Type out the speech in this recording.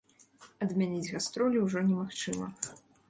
Адмяніць гастролі ўжо немагчыма.